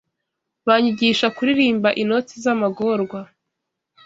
Banyigisha kuririmba inoti z'amagorwa